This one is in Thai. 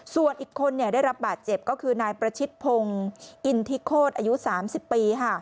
ส่วนอีกคนได้รับบาดเจ็บก็คือนายประชิดพงศ์อินทิโคตรอายุ๓๐ปี